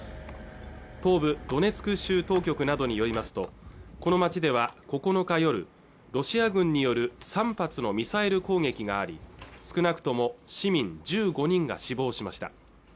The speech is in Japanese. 東部ドネツク州当局などによりますとこの街では９日夜ロシア軍による３発のミサイル攻撃があり少なくとも市民１５人が死亡しました